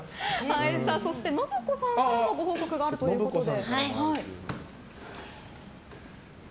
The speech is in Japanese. そして、信子さんからもご報告があるということで。